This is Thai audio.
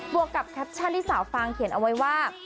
มีคัปชี่ที่สาวฟางเขียนเอาไว้ว่า